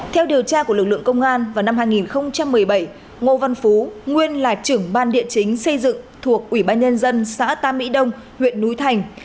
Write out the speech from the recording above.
theo điều tra của lực lượng công an vào năm hai nghìn một mươi bảy ngô văn phú nguyên là trưởng ban địa chính xây dựng thuộc ủy ban nhân dân xã tam mỹ đông huyện núi thành